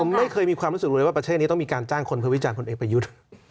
ผมไม่เคยมีความรู้สึกเลยว่าประเทศนี้ต้องมีการจ้างคนเพื่อวิจารณคนเอกประยุทธ์